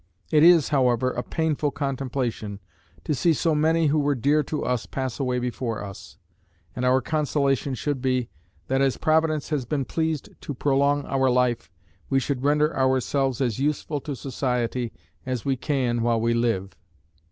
It is, however, a painful contemplation to see so many who were dear to us pass away before us; and our consolation should be, that as Providence has been pleased to prolong our life, we should render ourselves as useful to society as we can while we live.